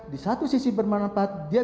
di satu sisi bermanfaat dia